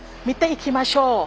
見ていきましょう。